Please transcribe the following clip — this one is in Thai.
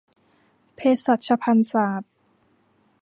เภสัชพันธุศาสตร์